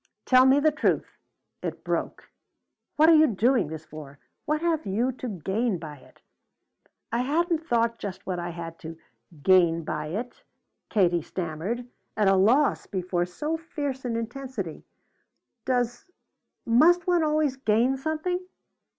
"Tell me the truth!" it broke. "What are you doing this for? What have you to gain by it?" "I hadn't thought just what I had to gain by it," Katie stammered, at a loss before so fierce an intensity. "Does must one always 'gain' something?"